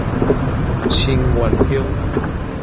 新園鄉